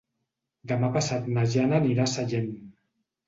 Demà passat na Jana anirà a Sallent.